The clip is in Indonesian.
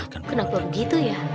hah kenapa begitu ya